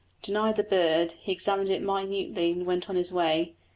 Denied the bird, he examined it minutely and went on his way.